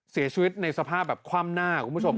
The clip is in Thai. เสียชีวิตในสภาพแบบคว่ำหน้าคุณผู้ชม